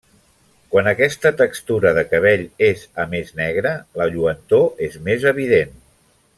Quan aquesta textura de cabell és a més negre, la lluentor és més evident.